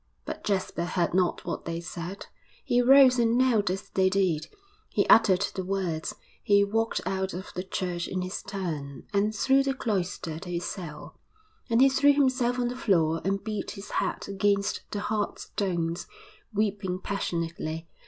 But Jasper heard not what they said; he rose and knelt as they did; he uttered the words; he walked out of the church in his turn, and through the cloister to his cell. And he threw himself on the floor and beat his head against the hard stones, weeping passionately.